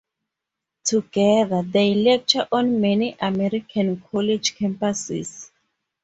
Together, they lecture on many American college campuses.